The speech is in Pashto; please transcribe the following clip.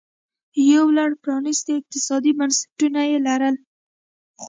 یو لړ پرانیستي اقتصادي بنسټونه یې لرل